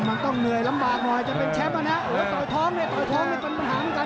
มันต้องเหนื่อยลำบากหน่อยจะเป็นแชมป์อ่ะนะโอ้โหต่อยท้องเนี่ยต่อยท้องนี่จนปัญหาเหมือนกัน